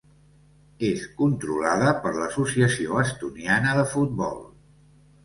És controlada per l'Associació Estoniana de Futbol.